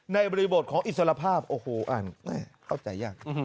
บริบทของอิสระภาพโอ้โหอ่านเข้าใจยาก